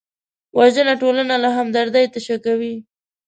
وژنه ټولنه له همدردۍ تشه کوي